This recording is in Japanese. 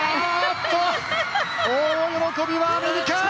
大喜びのアメリカ！